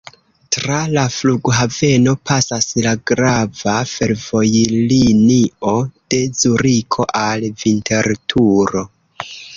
Tra la flughaveno pasas la grava fervojlinio de Zuriko al Vinterturo.